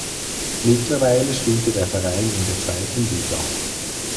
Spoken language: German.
Mittlerweile spielte der Verein in der zweiten Liga.